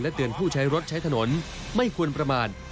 เตือนผู้ใช้รถใช้ถนนไม่ควรประมาท